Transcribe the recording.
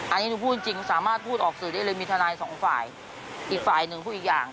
อันนี้หนูพูดจริงจริงสามารถพูดออกสื่อได้เลยมีทนายสองฝ่ายอีกฝ่ายหนึ่งพูดอีกอย่าง